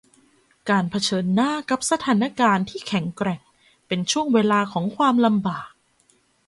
การเผชิญหน้ากับสถานการณ์ที่แข็งแกร่งเป็นช่วงเวลาของความลำบาก